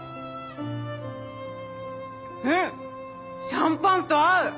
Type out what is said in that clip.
シャンパンと合う！